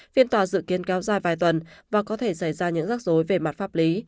phiên tòa dự kiến kéo dài vài tuần và có thể xảy ra những rắc rối về mặt pháp lý